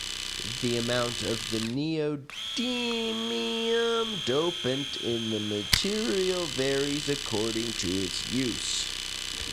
The amount of the neodymium dopant in the material varies according to its use.